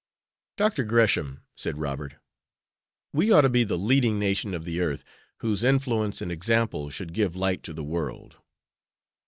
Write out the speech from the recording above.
"Dr. Gresham," said Robert, "we ought to be the leading nation of the earth, whose influence and example should give light to the world."